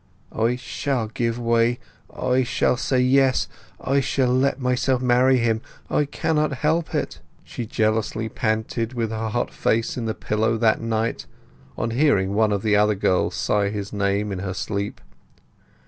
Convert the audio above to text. "I shall give way—I shall say yes—I shall let myself marry him—I cannot help it!" she jealously panted, with her hot face to the pillow that night, on hearing one of the other girls sigh his name in her sleep.